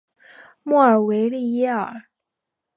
莫尔维利耶尔。